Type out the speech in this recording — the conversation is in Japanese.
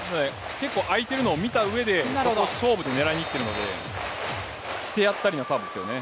結構空いているのを見たうえで勝負で狙いにいってるのでしてやったりのサーブですよね。